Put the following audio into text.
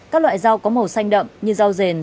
các loại rau có màu xanh đậm như rau dếm rau dếm rau dếm